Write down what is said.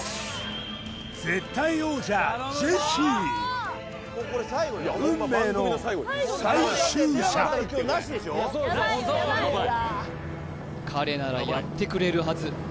絶対王者ジェシー運命の最終射彼ならやってくれるはず